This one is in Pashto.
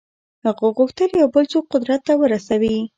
هغه غوښتل یو بل څوک قدرت ته ورسوي.